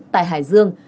tại hải dương